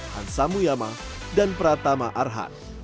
hansa muyama dan pratama arhan